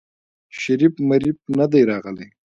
شريف مريف ندی راغلی.